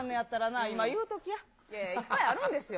いやいや、いっぱいあるんですよ。